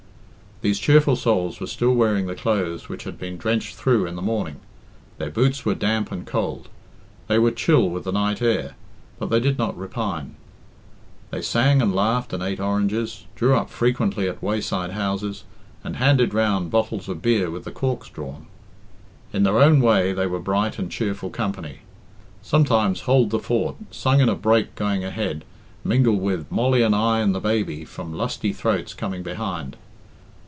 These cheerful souls were still wearing the clothes which had been drenched through in the morning; their boots were damp and cold; they were chill with the night air, but they did not repine. They sang and laughed and ate oranges, drew up frequently at wayside houses, and handed round bottles of beer with the corks drawn. In their own way they were bright and cheerful company. Sometimes "Hold the Fort," sung in a brake going ahead, mingled with "Molly and I and the Baby," from lusty throats coming behind.